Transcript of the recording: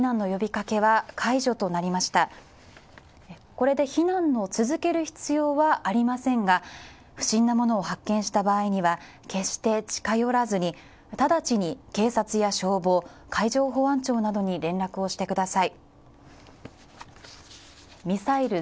これで避難を続ける必要はありませんが、不審なものを発見した場合には決して近寄らずに、直ちに警察や消防、海上保安庁などに連絡してください。